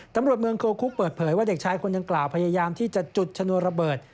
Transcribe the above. ตำรวจเมืองโคคุกเปิดเผยว่าเด็กชายคนดังกล่าวพยายามที่จะจุดชนวนระเบิด